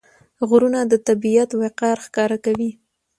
غرونه د طبیعت وقار ښکاره کوي.